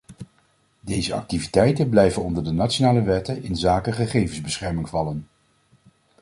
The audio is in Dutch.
Deze activiteiten blijven onder de nationale wetten inzake gegevensbescherming vallen.